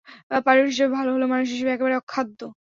Pilot হিসাবে ভালো হলেও, মানুষ হিসাবে একেবারে অখাদ্য।